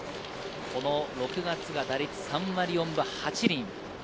６月は打率３割４分８厘。